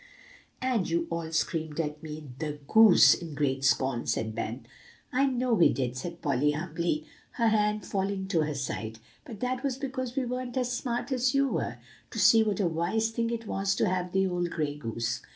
"And you all screamed at me 'The goose,' in great scorn," said Ben. "I know we did," said Polly humbly, her hand falling to her side; "but that was because we weren't as smart as you were, to see what a wise thing it was to have the old gray goose.